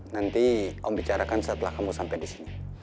nanti om bicarakan setelah kamu sampai di sini